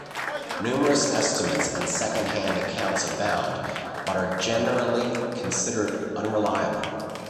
Numerous estimates and second-hand accounts abound, but are generally considered unreliable.